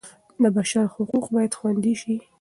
د بشر حقوق باید خوندي سي.